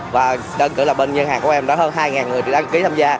và đơn cử là bên nhà hàng của em đã hơn hai người được đăng ký tham gia